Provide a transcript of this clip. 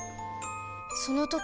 その時